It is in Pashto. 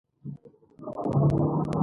څه دپاسه دوه زره کیلو متره